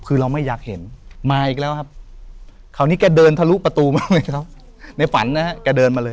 คือเราไม่อยากเห็นมาอีกแล้วครับ